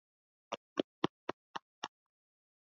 Alifumwa shuleni.